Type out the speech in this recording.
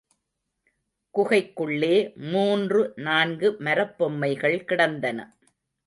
குகைக்குள்ளே மூன்று, நான்கு மரப்பொம்மைகள் கிடந்தன.